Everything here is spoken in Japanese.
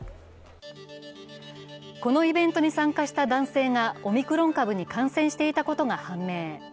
このイベントに参加した男性がオミクロン株に感染していたことが判明。